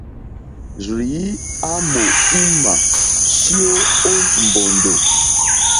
Rzìi a mò uŋmà syo o mbòndò.